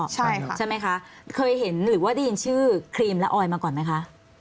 ใช่ค่ะใช่ไหมคะเคยเห็นหรือว่าได้ยินชื่อครีมและออยมาก่อนไหมคะ